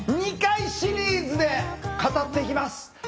２回シリーズで語っていきます。